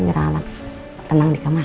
menyerang anak tenang di kamar